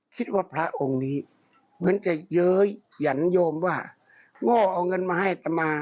พระองค์นี้เหมือนจะเย้ยหยันโยมว่าง่อเอาเงินมาให้อัตมา